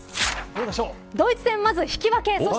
ドイツ戦まず引き分け。